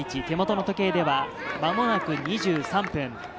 手元の時計では間もなく２３分。